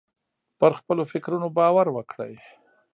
پر خپلو فکرونو باور وکړئ.